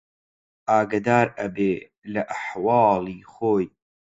ئاگادار ئەبێ لە ئەحواڵی خۆی